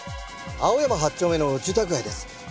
青山８丁目の住宅街です。